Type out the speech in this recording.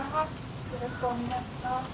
よろしくお願いします。